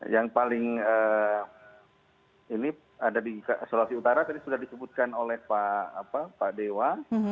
yang paling ini ada di sulawesi utara tadi sudah disebutkan oleh pak dewa